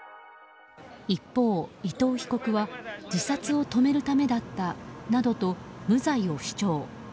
一方、伊藤被告は自殺を止めるためだったなどと無罪を主張。